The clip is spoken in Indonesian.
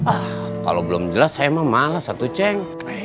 ah kalo belum jelas saya mah males satu ceng